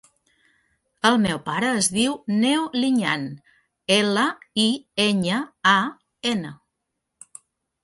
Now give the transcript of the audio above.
El meu pare es diu Neo Liñan: ela, i, enya, a, ena.